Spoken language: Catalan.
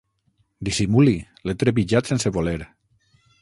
Dissimuli, l'he trepitjat sense voler!